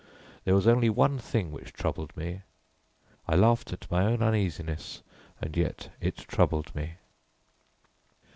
There was only one thing which troubled me, I laughed at my own uneasiness, and yet it troubled me.